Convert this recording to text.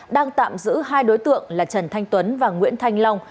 đang tạm giữ hai đối tượng là trần thanh tuấn và nguyễn thanh long